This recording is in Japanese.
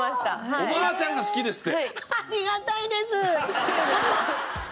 おばあちゃんが好きですって。